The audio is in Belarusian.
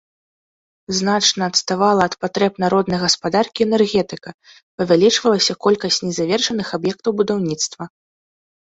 Значна адставала ад патрэб народнай гаспадаркі энергетыка, павялічвалася колькасць незавершаных аб'ектаў будаўніцтва.